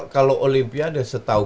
kalau olympiade setau